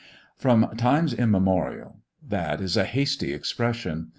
"From times immemorial!" That is a hasty expression.